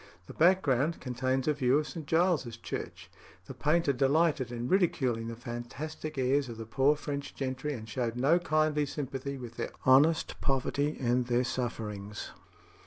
The background contains a view of St. Giles's Church. The painter delighted in ridiculing the fantastic airs of the poor French gentry, and showed no kindly sympathy with their honest poverty and their sufferings.